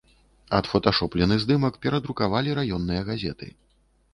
Адфоташоплены здымак перадрукавалі раённыя газеты.